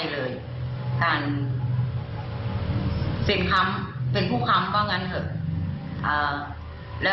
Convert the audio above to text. ก็ยืนยันทันเดียวนะคะ